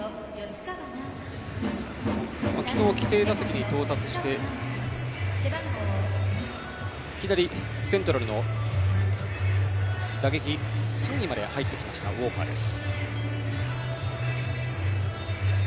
昨日、規定打席に到達していきなりセントラルの打撃３位まで入ってきましたウォーカーです。